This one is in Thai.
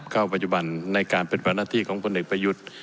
เข้าปัจจุบันในการเป็นประหน้าที่ของคนเด็กประยุทธ์